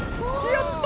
やった！